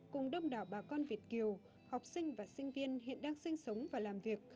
cùng đông đảo bà con việt kiều học sinh và sinh viên hiện đang sinh sống và làm việc